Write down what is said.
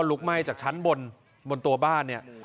ลุกไหม้จากชั้นบนบนตัวบ้านเนี่ย